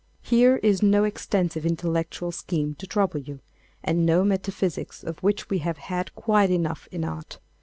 Here is no extensive intellectual scheme to trouble you, and no metaphysics of which we have had quite enough in art.